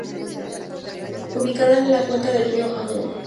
Ubicada en la cuenca del río Amur.